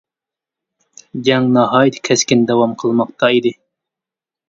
جەڭ ناھايىتى كەسكىن داۋام قىلماقتا ئىدى.